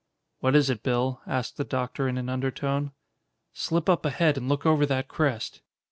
"What is it, Bill?" asked the doctor in an undertone. "Slip up ahead and look over that crest."